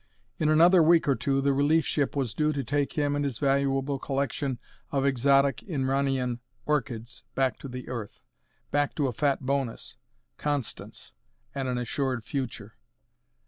In another week or two the relief ship was due to take him and his valuable collection of exotic Inranian orchids back to the Earth, back to a fat bonus, Constance, and an assured future.